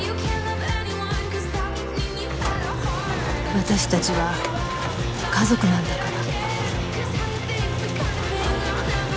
私達は家族なんだから